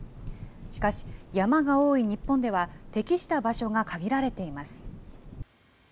しかし、山が多い日本では、適した場所が限られています。